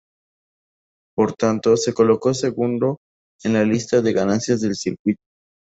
Por tanto, se colocó segundo en la lista de ganancias del circuito.